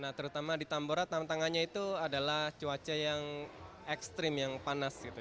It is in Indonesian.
nah terutama di tambora tantangannya itu adalah cuaca yang ekstrim yang panas gitu